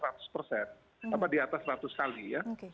apa di atas seratus kali ya